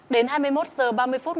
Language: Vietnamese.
đến hai mươi một h ba mươi phút